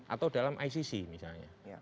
atau dalam icc misalnya